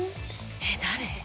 えっ誰？